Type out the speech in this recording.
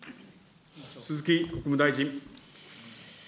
鈴木国務大臣。